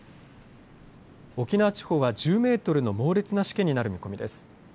沖縄地方は１０メートルの猛烈なしけになる見込みです。